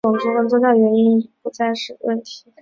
种族跟宗教原因已不再是问题。